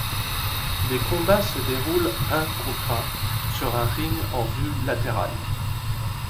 Les combats se déroulent un contre un sur un ring en vue latérale.